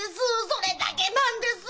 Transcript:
それだけなんです！